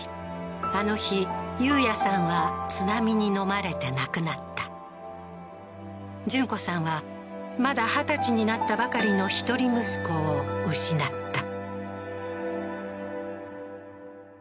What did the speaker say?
あの日憂哉さんは津波にのまれて亡くなった純子さんはまだ二十歳になったばかりの一人息子を失った